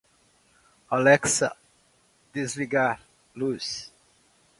Alexa, desligar luz